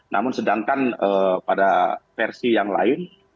namun sedangkan pada versi yang lain